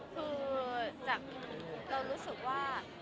และที่เรารู้สึกว่า